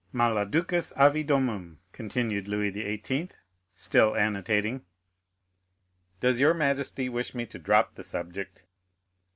"Mala ducis avi domum," continued Louis XVIII., still annotating. "Does your majesty wish me to drop the subject?"